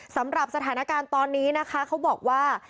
สำหรับสถานการณ์ตอนนี้นะคะเขาบอกว่า